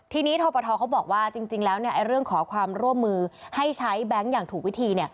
ทีนี้ทปทเขาบอกว่าจริงแล้วเรื่องขอความร่วมมือให้ใช้แบงค์อย่างถูกวิธี